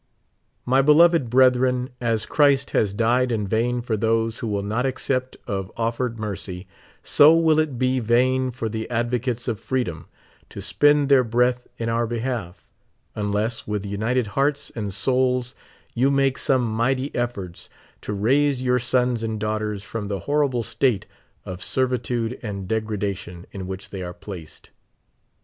My beloved brethren, as Christ has died in vain for those who will not accept of offered mercy, so will it be vain for the advocates of freedom to spend their breath in our behalf, unless with united hearts and souls you make some mighty efforts to raise vour sons and daugh ters from the horrible state of servitude and degi'adation in which the}^ are placed.